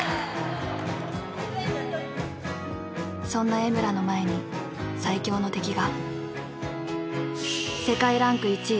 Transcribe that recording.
そんな江村の前に最強の敵が。